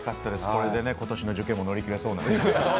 これで今年の受験も乗り切れそうな。